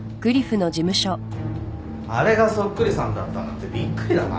あれがそっくりさんだったなんてびっくりだな。